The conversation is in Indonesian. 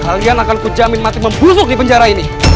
kalian akan ku jamin mati membusuk di penjara ini